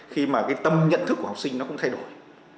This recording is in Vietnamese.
khi mà cái tâm nhận thức của học sinh nó cũng thay đổi